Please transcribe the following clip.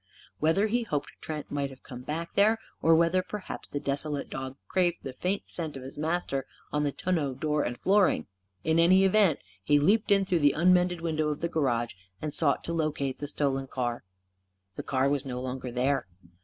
Whether he hoped Trent might have come back there, or whether perhaps the desolate dog craved the faint scent of his master on the tonneau door and flooring in any event, he leaped in through the unmended window of the garage, and sought to locate the stolen car. The car was no longer there.